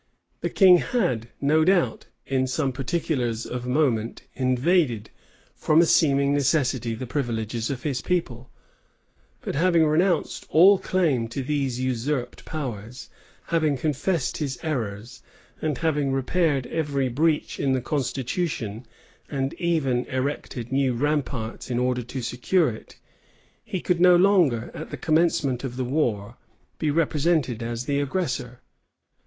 The king had, no doubt, in some particulars of moment, invaded, from a seeming necessity, the privileges of his people: but having renounced all claim to these usurped powers, having confessed his errors, and having repaired every breach in the constitution, and even erected new ramparts in order to secure it, he could no longer, at the commencement of the war, be represented as the aggressor.